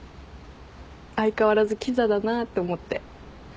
相変わらずきざだなって思って。